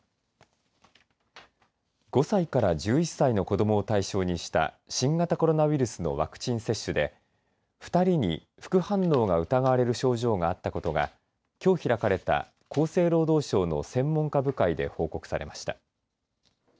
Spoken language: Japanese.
５歳から１１歳の子どもを対象にした新型コロナウイルスのワクチン接種で２人に副反応が疑われる症状があったことがきょう開かれた厚生労働省の専門家部会で報告されました。